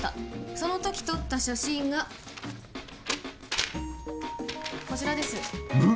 その時撮った写真がこちらですむっ？